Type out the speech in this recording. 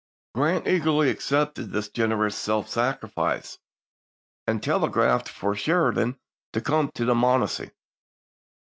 Grant eagerly accepted this generous self sacrifice, and tele graphed for Sheridan to come to the Monocacy.